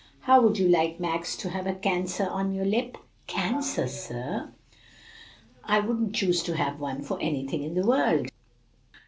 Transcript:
How would you like, Max, to have a cancer on your lip?" "Cancer, sir? I wouldn't choose to have one for anything in the world."